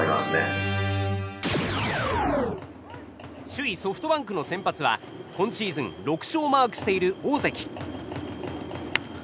首位ソフトバンクの先発は今シーズン６勝をマークしている大関。